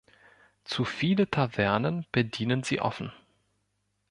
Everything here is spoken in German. Zu viele Tavernen bedienen sie offen.